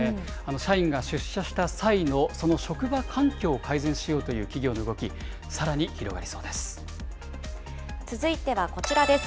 社員が出社した際のその職場環境を改善しようという企業の動き、続いてはこちらです。